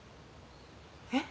えっ？